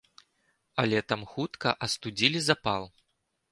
Але там хутка астудзілі запал.